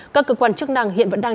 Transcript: các cơ quan chức năng hiện vẫn đang